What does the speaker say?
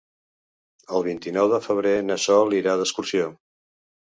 El vint-i-nou de febrer na Sol irà d'excursió.